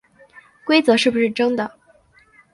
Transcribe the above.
规则是不是真的